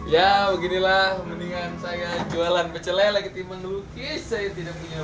ya beginilah kebeningan saya jualan pecelele ketika melukis saya tidak punya bakat